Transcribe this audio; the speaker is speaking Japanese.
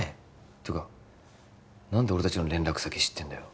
てか何で俺達の連絡先知ってんだよ